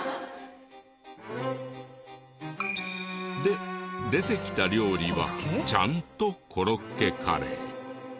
で出てきた料理はちゃんとコロッケカレー。